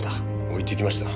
置いてきました。